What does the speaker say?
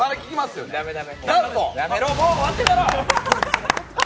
やめろ、もう終わってるだろ！